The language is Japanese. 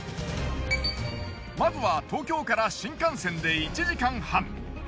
まずは東京から新幹線で１時間半。